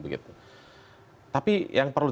begitu tapi yang perlu